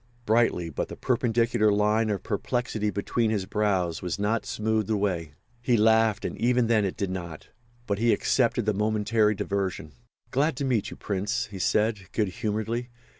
Brightly, but the perpendicular line of perplexity between his brows was not smoothed away. He laughed, and even then it did not. But he accepted the momentary diversion. "Glad to meet you, Prince," he said, good humouredly.